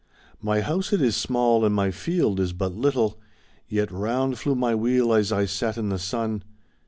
'^ My house it is small, and my field is but little, Yet round flew my wheel as I sat in the sun.